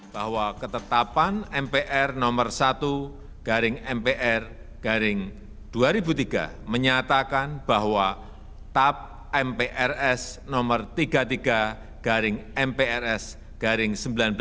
bahwa ketetapan mpr nomor satu garing mpr garing dua ribu tiga menyatakan bahwa tap mprs nomor tiga puluh tiga mprs garing seribu sembilan ratus sembilan puluh